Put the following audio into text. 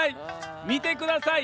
見てください。